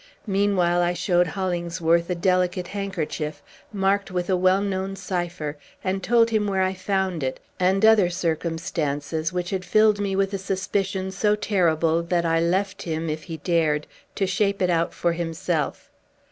Meanwhile I showed Hollingsworth a delicate handkerchief, marked with a well known cipher, and told where I had found it, and other circumstances, which had filled me with a suspicion so terrible that I left him, if he dared, to shape it out for himself.